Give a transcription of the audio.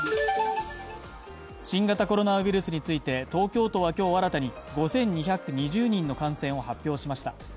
新型コロナウイルスについて東京都は今日新たに５２２０の感染を発表しました。